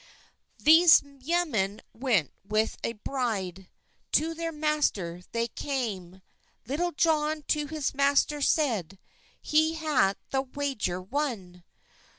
Thes yemen went with a breyde, To ther master they cam. Leytell John to hes master seyde, "He haet the wager won?